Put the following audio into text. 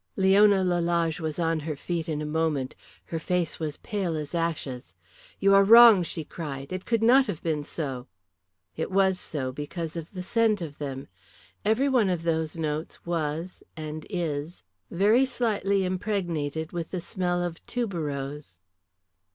Leona Lalage was on her feet in a moment. Her face was pale as ashes. "You are wrong," she cried. "It could not have been so." "It was so, because of the scent of them. Every one of these notes was and is very slightly impregnated with the smell of tuberose."